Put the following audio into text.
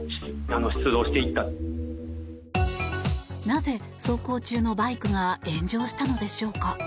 なぜ走行中のバイクが炎上したのでしょうか。